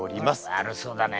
悪そうだね